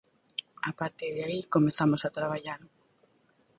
A partir de aí comezamos a traballar.